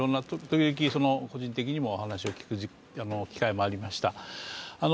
時々、個人的にもお話を聞く機会もありました。